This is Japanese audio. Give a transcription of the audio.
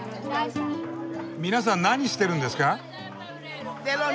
皆さん何してるんですか？